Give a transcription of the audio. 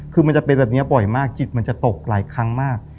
คือมันจะเป็นแบบนี้บ่อยมากจิตมันจะตกหลายครั้งมาก